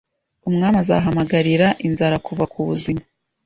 Umwami azahamagarira Inzara kuva kubuzima